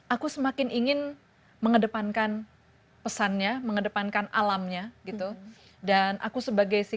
aku semakin ingin mengedepankan pesannya mengedepankan alamnya gitu dan aku sebagai si